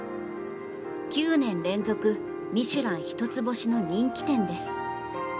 ９年連続ミシュラン１つ星の人気店です。